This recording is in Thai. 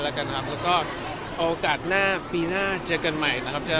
เอาโอกาสหน้าเจอกันใหม่